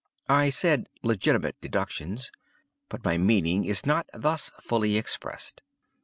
I said 'legitimate deductions;' but my meaning is not thus fully expressed.